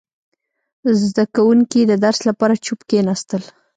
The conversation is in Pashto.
• زده کوونکي د درس لپاره چوپ کښېناستل.